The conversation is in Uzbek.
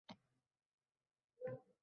Senga kim mikrofon berdi?